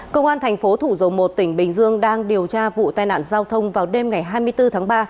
công an thành phố thủ dầu một tỉnh bình dương đang điều tra vụ tai nạn giao thông vào đêm ngày hai mươi bốn tháng ba